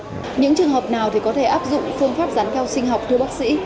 những trường hợp nào thì có thể áp dụng phương pháp rán kheo sinh học thưa bác sĩ